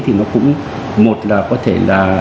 thì nó cũng một là có thể là